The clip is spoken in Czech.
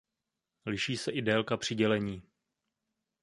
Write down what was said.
Liší se i délka přidělení.